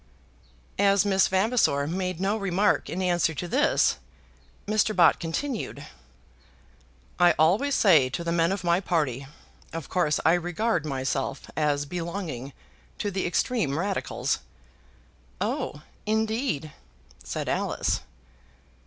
As Miss Vavasor made no remark in answer to this, Mr. Bott continued "I always say to the men of my party, of course I regard myself as belonging to the extreme Radicals." "Oh, indeed!" said Alice.